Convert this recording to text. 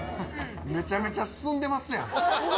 めちゃめちゃ進んでますやん！